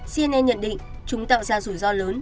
cnn nhận định chúng tạo ra rủi ro lớn